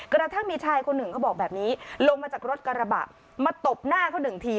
กระทั่งมีชายคนหนึ่งเขาบอกแบบนี้ลงมาจากรถกระบะมาตบหน้าเขาหนึ่งที